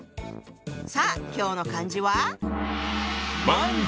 さあ今日の漢字は？